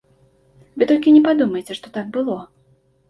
Вы толькі не падумайце, што так было.